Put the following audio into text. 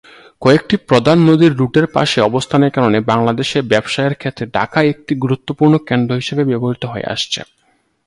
কয়েকটি প্রধান নদীর রুটের পাশে অবস্থানের কারণে, বাংলাদেশে ব্যবসায়ের ক্ষেত্রে ঢাকা একটি গুরুত্বপূর্ণ কেন্দ্র হিসেবে ব্যবহৃত হয়ে আসছে।